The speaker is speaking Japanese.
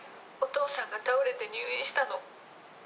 お父さんが倒れて入院したの。